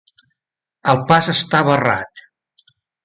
El pas està barrat.